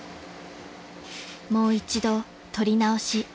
［もう一度撮り直し。